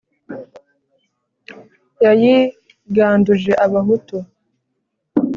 yayiganduje abahutu